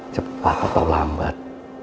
cepat atau lambat